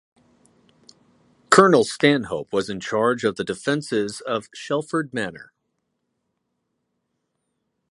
Colonel Stanhope was in charge of the defences of Shelford Manor.